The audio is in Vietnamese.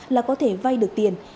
là có thể vay được tiền